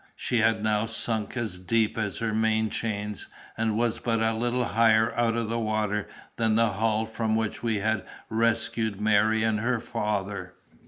She had now sunk as deep as her main chains, and was but a little higher out of the water than the hull from which we had rescued Mary and her father.